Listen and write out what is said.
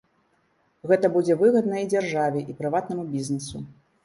Гэта будзе выгадна і дзяржаве, і прыватнаму бізнэсу.